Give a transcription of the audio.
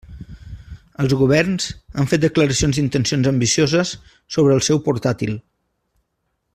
Els governs han fet declaracions d'intencions ambicioses sobre el seu portàtil.